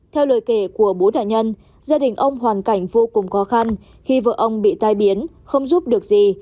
theo lời kể của bố nạn nhân gia đình ông hoàn cảnh vô cùng khó khăn khi vợ ông bị tai biến không giúp được gì